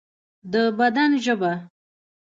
د بدن ژبه